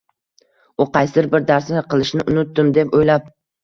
U qaysidir bir darsni qilishni unutdim, deb o‘ylab